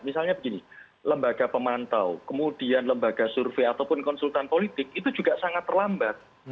misalnya begini lembaga pemantau kemudian lembaga survei ataupun konsultan politik itu juga sangat terlambat